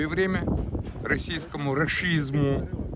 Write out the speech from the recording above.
pada saat saat yang berlaku